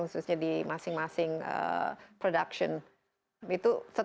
khususnya di masing masing production itu tetap di